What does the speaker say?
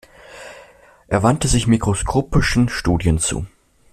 Er wandte sich mikroskopischen Studien zu.